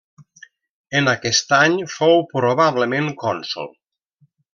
En aquest any fou probablement cònsol.